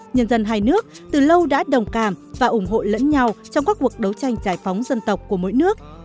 nhân dân hai nước từ lâu đã đồng cảm và ủng hộ lẫn nhau trong các cuộc đấu tranh giải phóng dân tộc của mỗi nước